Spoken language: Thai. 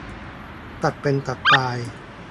ตัดเป็นตัดตาย